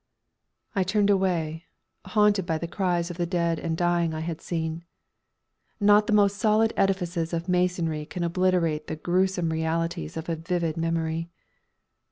I turned away, haunted by the cries of the dead and dying I had seen. Not the most solid edifices of masonry can obliterate the gruesome realities of a vivid memory.